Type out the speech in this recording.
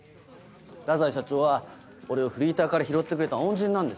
太宰社長は俺をフリーターから拾ってくれた恩人なんです。